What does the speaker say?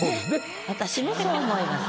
私もそう思います。